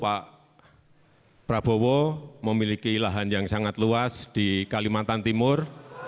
pak prabowo memiliki lahan yang sangat luas di kalimantan timur